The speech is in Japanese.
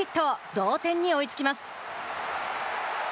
同点に追いつきます。